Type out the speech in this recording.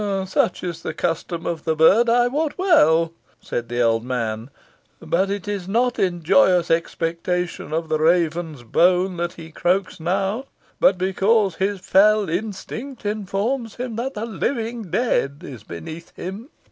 "Such is the custom of the bird I wot well," said the old man; "but it is not in joyous expectation of the raven's bone that he croaks now, but because his fell instinct informs him that the living dead is beneath him."